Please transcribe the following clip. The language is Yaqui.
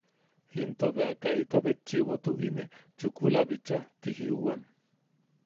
Into bea “kaita betchi’ibo tu’ine chukula bichaa”. Ti jiuwan.